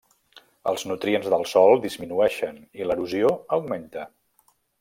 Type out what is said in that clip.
Els nutrients del sòl disminueixen i l'erosió augmenta.